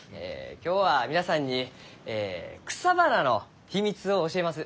今日は皆さんに草花の秘密を教えます。